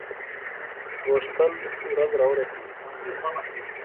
غوښتل ورځ را ورسیږي.